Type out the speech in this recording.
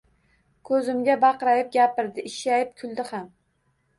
Ko‘zimga baqrayib gapirdi! Ishshayib kuldi ham!